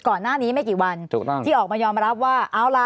ก่อนหน้านี้ไม่กี่วันถูกต้องที่ออกมายอมรับว่าเอาล่ะ